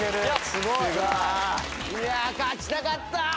すごい。いや勝ちたかった！